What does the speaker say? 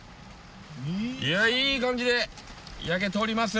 いやいい感じで焼けております。